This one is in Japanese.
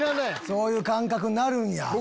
そういう感覚になるんや。